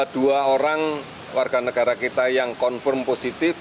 dua orang warga negara kita yang confirm positif